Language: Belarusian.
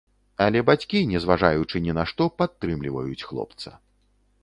Але бацькі, не зважаючы ні на што, падтрымліваюць хлопца.